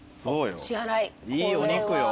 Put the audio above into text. いいお肉よ。